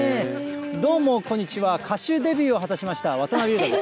どうも、こんにちは、歌手デビューを果たした渡辺裕太です。